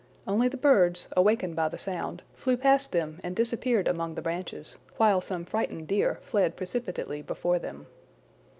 Only the birds, awakened by the sound, flew past them and disappeared among the branches, while some frightened deer fled precipitately before them.